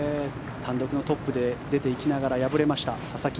単独のトップで出ていきながら敗れました、ささき。